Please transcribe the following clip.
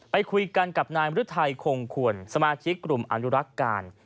ไปคุยกันกับนายมรึทัยคงควรสมาชิกกลุ่มอนุรักษ์การ